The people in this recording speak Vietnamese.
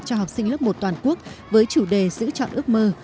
cho học sinh lớp một toàn quốc với chủ đề giữ chọn ước mơ